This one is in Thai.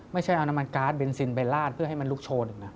ไม่ใช่เอาน้ำมันการ์ดเบนซินไปลาดเพื่อให้มันลุกโชนอีกนะ